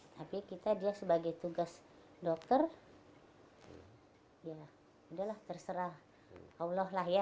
tapi kita dia sebagai tugas dokter ya udahlah terserah allah lah ya